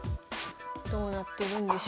どうなってるんでしょうか。